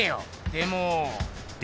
でも？